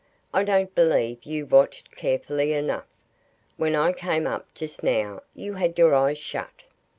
I don't believe you watched carefully enough. When I came up just now you had your eyes shut."